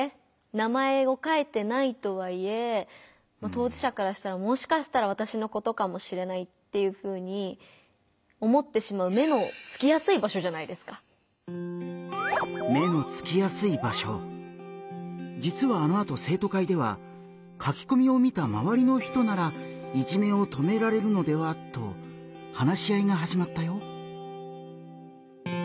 名前を書いてないとはいえ当事者からしたらもしかしたらわたしのことかもしれないっていうふうに思ってしまうじつはあのあと生徒会では「書きこみを見た周りの人ならいじめを止められるのでは」と話し合いがはじまったよ。